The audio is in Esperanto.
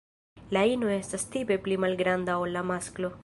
La ino estas tipe pli malgranda ol la masklo.